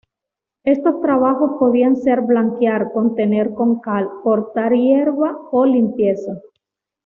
Estos trabajos podían ser blanquear contener con cal, cortar hierba o limpieza.